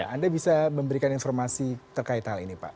anda bisa memberikan informasi terkait hal ini pak